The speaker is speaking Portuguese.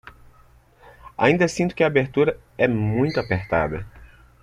Ainda sinto que a abertura é muito apertada